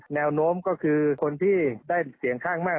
แนวโน้มก็คือคนที่ได้เสียงข้างมาก